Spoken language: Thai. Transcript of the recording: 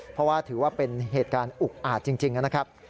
เพราะว่าถือว่าเป็นเหตุการณ์อุกอาจจริงนะครับ